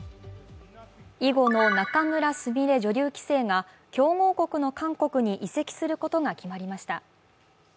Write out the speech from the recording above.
囲碁の仲邑菫女流棋聖が強豪国の韓国に移籍することが決まりました。